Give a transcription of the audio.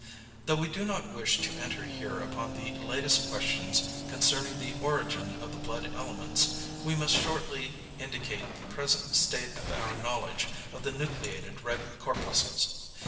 Though we do not wish to enter here upon the latest questions concerning the origin of the blood elements, we must shortly indicate the present state of our knowledge of the nucleated red corpuscles.